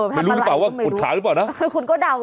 ไม่รู้หรือเปล่าว่าปวดขาหรือเปล่านะ